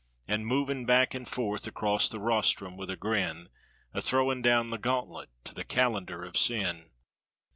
And moving back and forth across the rostrum with a grin, A throwing down the gauntlet to the calendar of sin.